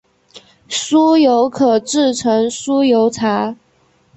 酥油可制成酥油茶。